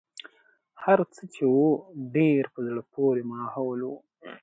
هرڅه چې و ډېر په زړه پورې ماحول و.